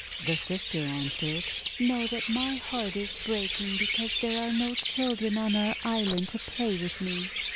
The sister answered :— ;<Know that my heart is breaking because there are no children on our island to play with me.